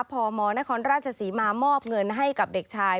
พมนครราชศรีมามอบเงินให้กับเด็กชาย